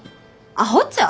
アホちゃう？